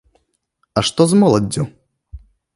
А што з моладдзю?